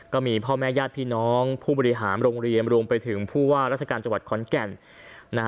ก็มีพ่อแม่ญาติพี่น้องผู้บริหารโรงเรียนรวมไปถึงผู้ว่าราชการจังหวัดขอนแก่น